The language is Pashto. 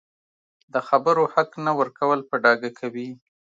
د خبرو حق نه ورکول په ډاګه کوي